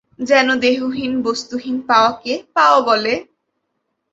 যেন দেহহীন বস্তুহীন পাওয়াকে পাওয়া বলে!